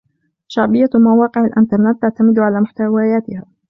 شعبية مواقع الإنترنت تعتمد على محتوياتها.